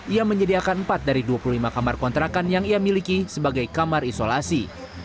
ia menyediakan empat dari dua puluh lima kamar kontrakan yang ia miliki sebagai kamar isolasi